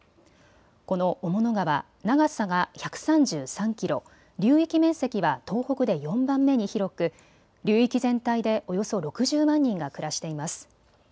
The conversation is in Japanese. この雄物川、流さが１３３キロ、流域面積は東北で４番目に広く流域全体でおよそ６０万人が暮らしています。